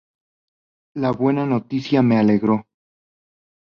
The Tuscaloosa News.